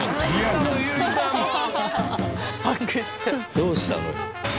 どうしたのよ。